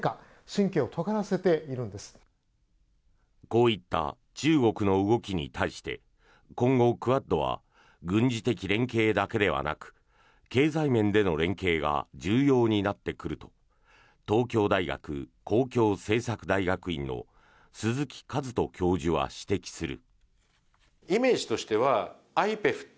こういった中国の動きに対して今後、クアッドは軍事的連携だけではなく経済面での連携が重要になってくると東京大学公共政策大学院の鈴木一人教授は指摘する。